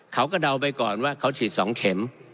เดาไปก่อนว่าเขาฉีด๒เข็ม